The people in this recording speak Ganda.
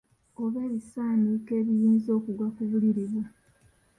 Oba ebisaaniiko ebiyinza okugwa ku buliri bwo.